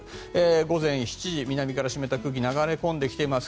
午前７時、南から湿った空気が流れ込んできています。